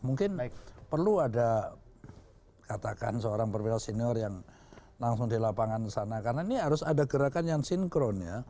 mungkin perlu ada katakan seorang perwira senior yang langsung di lapangan sana karena ini harus ada gerakan yang sinkron ya